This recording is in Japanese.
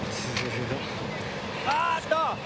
あっと！